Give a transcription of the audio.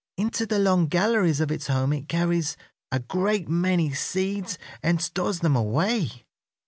Into the long galleries of its home it carries a great many seeds, and stores them away.